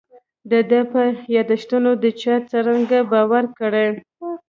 د ده په یاداشتونو چا څرنګه باور کړی.